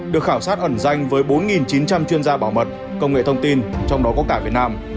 được khảo sát ẩn danh với bốn chín trăm linh chuyên gia bảo mật công nghệ thông tin trong đó có cả việt nam